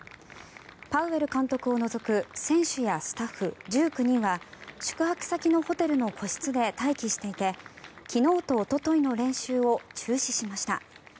パウエル監督を除く選手やスタッフ１９人は宿泊先のホテルの個室で待機していて昨日とおとといの練習を中止しました。